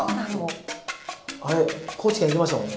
あれ高知県行きましたもんね。